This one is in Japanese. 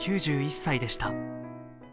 ９１歳でした。